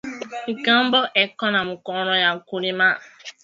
Nkambo eko na mukono ya ku rima